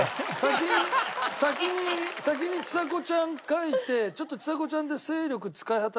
先に先にちさ子ちゃん描いてちょっとちさ子ちゃんで精力使い果たして。